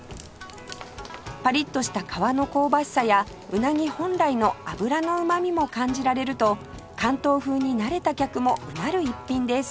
パリッとした皮の香ばしさや鰻本来の脂のうまみも感じられると関東風に慣れた客もうなる一品です